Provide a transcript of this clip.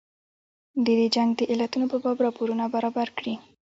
د دې جنګ د علتونو په باب راپورونه برابر کړي.